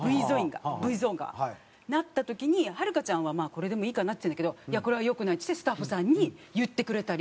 Ｖゾーンがなった時にはるかちゃんは「まあこれでもいいかな」って言ってたんだけど「いやこれは良くない」っつってスタッフさんに言ってくれたり。